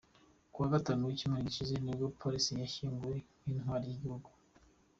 Kuwa Gatanu w’icyumweru gishize nibwo Peres yashyinguwe nk’intwari y’igihugu.